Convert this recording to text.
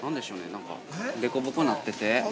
なんか凸凹なってて。